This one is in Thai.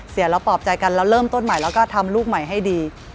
เราปลอบใจกันเราเริ่มต้นใหม่แล้วก็ทำลูกใหม่ให้ดี